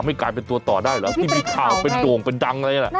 ไม่กลายเป็นตัวต่อได้แล้วที่มีข่าวเป็นโด่งเป็นดังอะไรอย่างนั้น